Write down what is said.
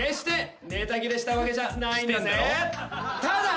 ただ。